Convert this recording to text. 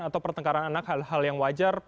atau pertengkaran anak hal hal yang wajar